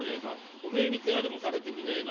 お前にけがでもされてみねえな。